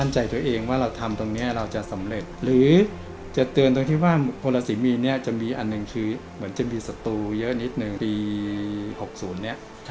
จะมีสตูเยอดนิดนึงปี๖๐เนี่ย